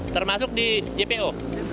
termasuk di jpo